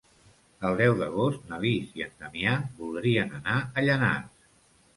El deu d'agost na Lis i en Damià voldrien anar a Llanars.